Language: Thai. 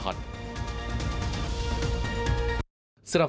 สวัสดีค่ะคุณผู้ชมค่ะเห็นหัวอะไรกันครับ